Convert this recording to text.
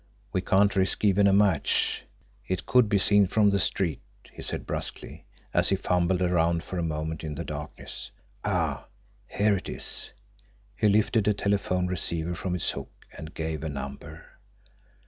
"We can't risk even a match; it could be seen from the street," he said brusquely, as he fumbled around for a moment in the darkness. "Ah here it is!" He lifted a telephone receiver from its hook, and gave a number.